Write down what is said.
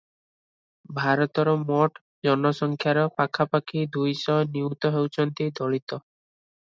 ଭାରତର ମୋଟ ଜନସଂଖ୍ୟାର ପାଖାପାଖି ଦୁଇଶହ ନିୟୁତ ହେଉଛନ୍ତି ଦଳିତ ।